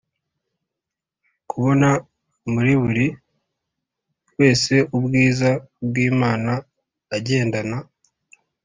kubona muri buri weseubwiza bw’imana agendana